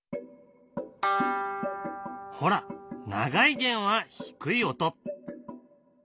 ほら長い弦は低い音。